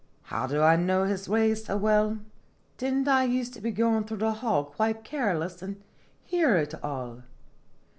" How did I know his ways so well? Did n't I use to be goin' through the hall quite care less, an' hear it all?